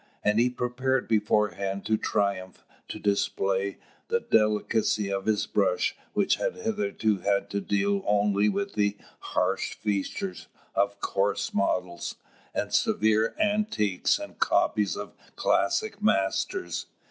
And he prepared beforehand to triumph, to display the delicacy of his brush, which had hitherto had to deal only with the harsh features of coarse models, and severe antiques and copies of classic masters.